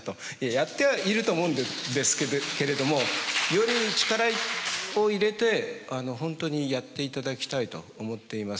やってはいると思うんですけれどもより力を入れて本当にやっていただきたいと思っています。